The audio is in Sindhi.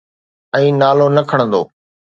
۽ نالو نه کڻندو.